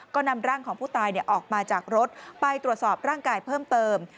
ก็นำร่างของผู้ตายออกมาจากรถไปตรวจสอบร่างกายเพิ่มเติม